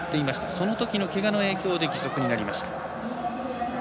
そのときのけがの影響で義足になりました。